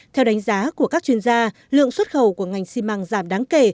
theo đánh giá của các chuyên gia lượng xuất khẩu của ngành xi măng giảm đáng kể